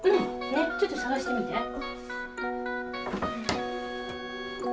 ねっちょっと捜してみて。